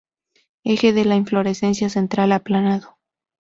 Eje de la inflorescencia central aplanado.